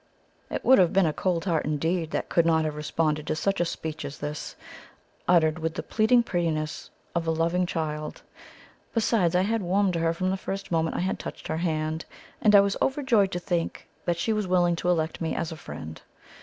It would have been a cold heart indeed that would not have responded to such a speech as this, uttered with the pleading prettiness of a loving child. Besides, I had warmed to her from the first moment I had touched her hand; and I was overjoyed to think that she was willing to elect me as a friend.